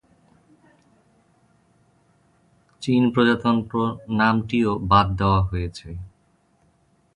"চীন প্রজাতন্ত্র" নামটিও বাদ দেওয়া হয়েছে।